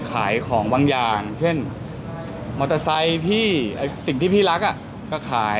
ขายของบางอย่างเช่นมอเตอร์ไซค์พี่สิ่งที่พี่รักก็ขาย